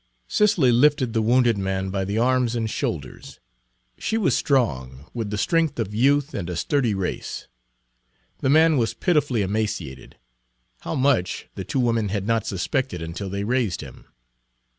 Cicely lifted the wounded man by the arms and shoulders. She was strong, with the strength of youth and a sturdy race. The man was pitifully emaciated; how much, the two women had not suspected until they raised him.